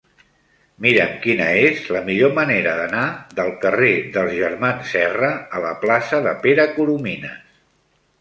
Mira'm quina és la millor manera d'anar del carrer dels Germans Serra a la plaça de Pere Coromines.